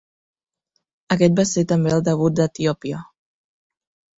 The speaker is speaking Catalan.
Aquest va ser també el debut d"Etiòpia.